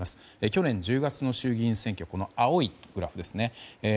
去年１０月の衆議院選挙、青いグラフですね。